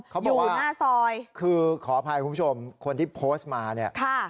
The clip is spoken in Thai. เขาบอกว่าหน้าซอยคือขออภัยคุณผู้ชมคนที่โพสต์มาเนี่ย